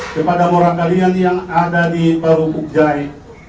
kepada orang kalian yang ada di baru pukjai